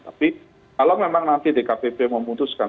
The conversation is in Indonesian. tapi kalau memang nanti dkpp memutuskan